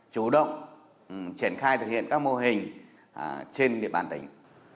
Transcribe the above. chủ động triển khai thực hiện các mô hình trên địa bàn tỉnh